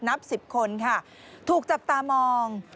นับ๑๐คนค่ะถูกจับตามอง